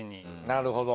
なるほど！